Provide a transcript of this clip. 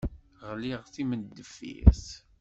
Ɣliɣ d timendeffirt.